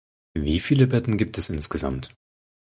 Wieviele Betten gibt es insgesamt?